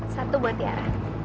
satu buat tiara